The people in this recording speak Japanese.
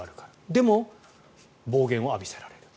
でも、暴言を浴びせられる。